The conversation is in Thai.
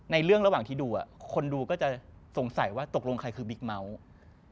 ในเรื่องระหว่างที่ดูคนดูก็จะสงสัยว่าตกลงใครคือบิ๊กเมาส์